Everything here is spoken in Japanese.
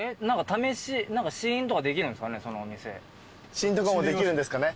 試飲とかもできるんですかね。